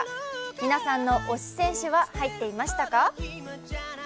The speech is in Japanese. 皆さんの推し選手は入っていましたか？